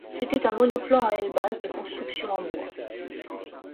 C'était un monoplan à aile basse, de construction en bois.